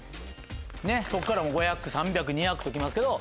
そっから５００３００２００と来ますけど。